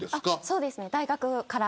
そうですね、大学から。